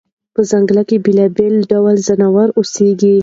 په ځنګل کې بېلابېل ډول ځناور اوسي.